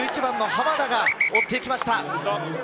１１番の濱田が追っていきました。